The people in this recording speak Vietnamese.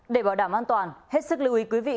để bảo đảm an toàn hết sức lưu ý quý vị